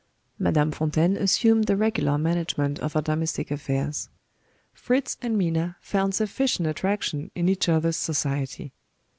Madame Fontaine assumed the regular management of our domestic affairs. Fritz and Minna found sufficient attraction in each other's society.